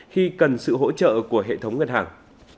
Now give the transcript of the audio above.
khi cần sự hỗ trợ của hệ thống ngân hàng